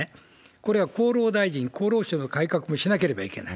これは厚労大臣、厚労省の改革をしなければいけない。